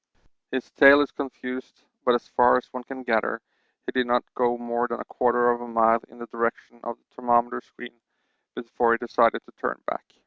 His tale is confused, but as far as one can gather he did not go more than a quarter of a mile in the direction of the thermometer screen before he decided to turn back.